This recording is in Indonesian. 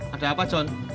ada apa john